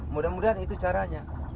mudah mudahan itu caranya